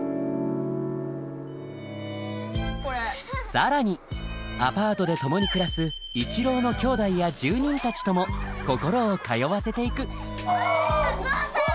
更にアパートで共に暮らす一郎のきょうだいや住人たちとも心を通わせていくゾウさん！